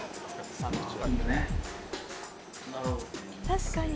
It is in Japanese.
「確かに。